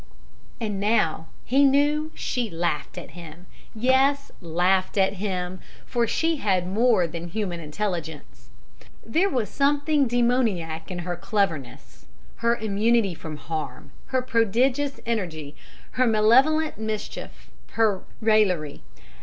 And now he knew she laughed at him. Yes, laughed at him, for she had more than human intelligence. There was something demoniac in her cleverness, her immunity from harm, her prodigious energy, her malevolent mischief, her raillery.